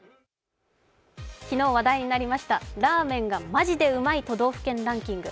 昨日、話題になりましたラーメンがマジでうまい都道府県ランキング